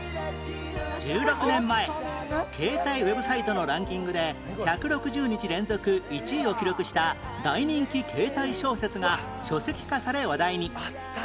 １６年前携帯ウェブサイトのランキングで１６０日連続１位を記録した大人気ケータイ小説が書籍化され話題に